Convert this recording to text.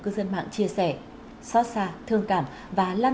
xin chào và hẹn gặp lại